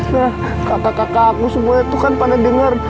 nah kakak kakak aku semua itu kan pada denger